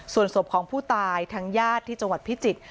ส่วนศพของผู้ตายทางญาติที่จังหวัดพิจิตร